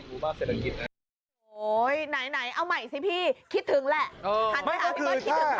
โอ้โหไหนไหนเอาใหม่สิพี่คิดถึงแหละอ่า